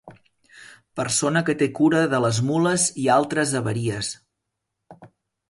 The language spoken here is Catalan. Persona que té cura de les mules i altres haveries.